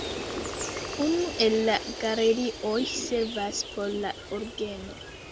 Unu el la galerioj servas por la orgeno.